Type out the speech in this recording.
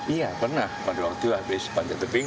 iya pernah pada waktu habis pancateping